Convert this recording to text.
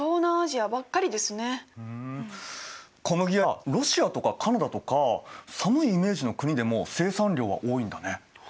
うん小麦はロシアとかカナダとか寒いイメージの国でも生産量は多いんだね。